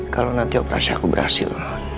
kalau nanti operasi aku berhasil